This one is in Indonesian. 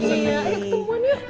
iya ayo ketemuan ya